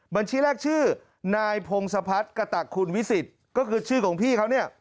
บัญชีแรกชื่อนายพงศพัฒน์กระตักคุณวิสิทธิ์ก็คือชื่อของพี่เขาเนี่ย